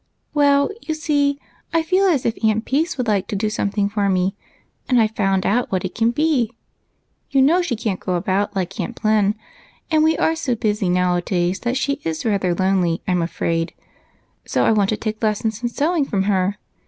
" Well, you see I feel as if Aunt Peace would like 188 EIGHT COUSINS. to do something for me, and I 've found out what it can be. You know she can't go about like Aunty Plen, and we are so busy nowadays that she is rather lonely, I 'm afraid. So I want to take lessons in sew ing of her.